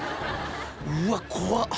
うわ怖っ。